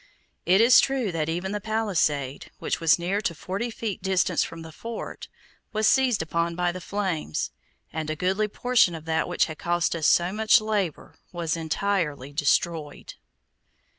It is true that even the palisade, which was near to forty feet distant from the fort, was seized upon by the flames, and a goodly portion of that which had cost us so much labor was entirely destroyed.